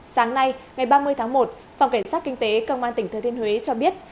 sáng nay ngày ba mươi tháng một phòng cảnh sát kinh tế công an tỉnh thừa thiên huế cho biết